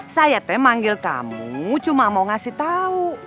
saya memanggil kamu cuma mau kasih tahu